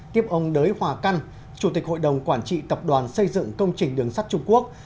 tiếp ông đới hòa căn chủ tịch hội đồng quản trị tập đoàn xây dựng công trình đường sắt trung quốc